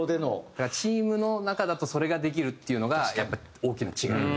だからチームの中だとそれができるっていうのがやっぱり大きな違いですね。